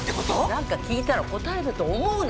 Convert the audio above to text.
なんか聞いたら答えると思うな！